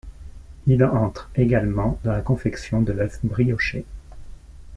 Il entre également dans la confection de l’œuf brioché.